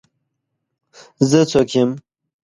زه څوک یم؟